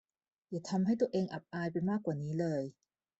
อย่าทำให้ตัวเองอับอายไปมากกว่านี้เลย